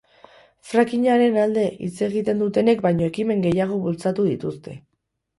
Frackingaren alde hitz egiten dutenek baino ekimen gehiago bultzatu dituzte.